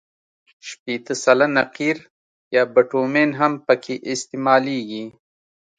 شپېته سلنه قیر یا بټومین هم پکې استعمالیږي